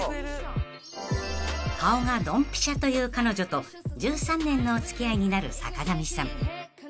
［顔がドンピシャという彼女と１３年のお付き合いになる坂上さん］